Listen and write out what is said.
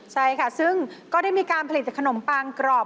ใช่ค่ะซึ่งก็ได้มีการผลิตขนมปังกรอบ